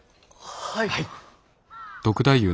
はい！